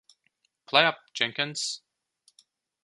Play up, Jenkins!